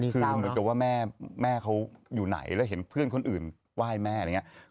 คือเหมือนกับว่าแม่เขาอยู่ไหนแล้วเห็นเพื่อนคนอื่นไหว้แม่อะไรอย่างนี้